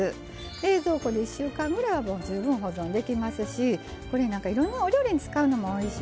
冷蔵庫で１週間ぐらいはもう十分保存できますしこれなんかいろんなお料理に使うのもおいしいんですよ。